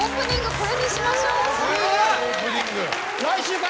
これにしましょう！